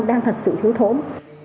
đang thật sự thiếu thốn